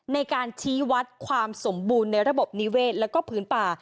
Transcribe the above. ในการชี้วัดความสมบูรณ์ในระบบนิเวศแล้วก็พื้นป่า